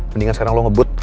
mendingan sekarang lo ngebut